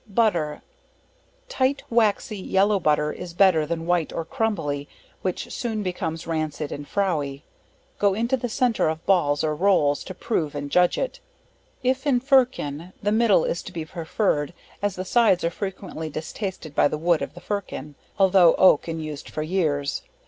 Butter Tight, waxy, yellow Butter is better than white or crumbly, which soon becomes rancid and frowy. Go into the centre of balls or rolls to prove and judge it; if in ferkin, the middle is to be preferred, as the sides are frequently distasted by the wood of the firkin altho' oak and used for years.